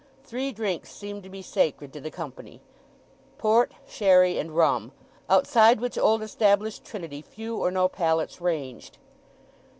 Three drinks seemed to be sacred to the company—port, sherry, and rum; outside which old established trinity few or no palates ranged.